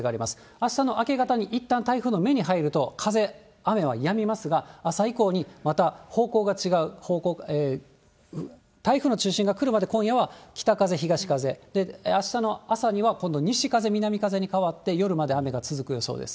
あしたの明け方にいったん台風の目に入ると、風、雨はやみますが、朝以降にまた方向が違う、台風の中心が来るまで今夜は北風、東風、あしたの朝には今度、西風、南風に変わって、夜まで雨が続く予想です。